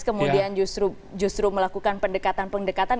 kemudian justru melakukan pendekatan pendekatan